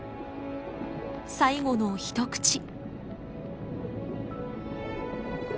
最後の一口。